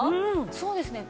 そうですね。